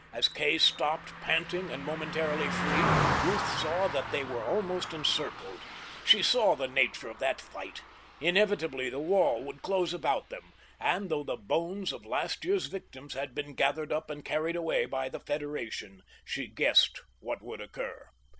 As Kay stopped, panting, and momentarily free, Ruth saw that they were almost encircled. She saw the nature of that fight. Inevitably that wall would close about them; and, though the bones of last year's victims had been gathered up and carried away by the Federation, she guessed what would occur.